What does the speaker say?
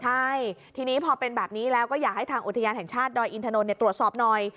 ใช่ทีนี้พอเป็นแบบนี้แล้วก็อยากให้ทางอุทยานแห่งชาติดอยอินทนนท์ตรวจสอบหน่อย